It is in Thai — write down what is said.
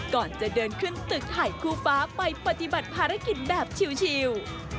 ก่อนจะเดินขึ้นตึกไทยคู่ฟ้าไปปฏิบัติภารกิจแบบชิล